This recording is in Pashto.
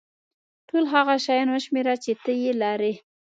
ټول هغه شیان وشمېره چې ته یې لرې.